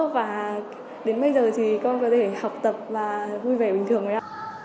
và đến bây giờ thì con có thể học tập và vui vẻ bình thường nhé